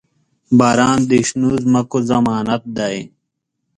• باران د شنو ځمکو ضمانت دی.